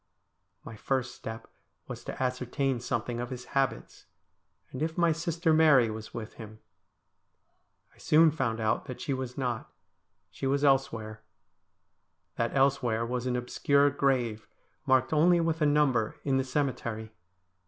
My first step was to ascertain something of his habits, and if my sister Mary was with him. I soon found out that she was not. She was elsewhere. That elsewhere was an obscure grave, marked only with a number, in the cemetery.